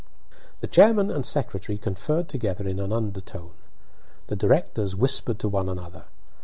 The chairman and secretary conferred together in an undertone. The directors whispered to one another.